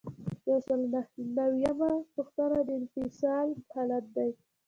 یو سل او نهه نوي یمه پوښتنه د انفصال حالت دی.